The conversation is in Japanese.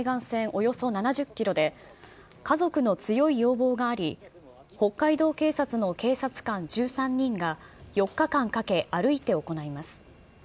およそ７０キロで、家族の強い要望があり、北海道警察の警察官１３人が４日間かけ、歩いて行います。